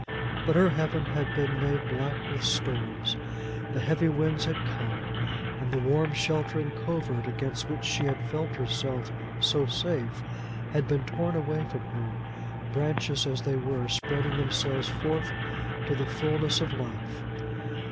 But her heaven had been made black with storms; the heavy winds had come, and the warm sheltering covert against which she had felt herself so safe had been torn away from her branches as they were spreading themselves forth to the fulness of life.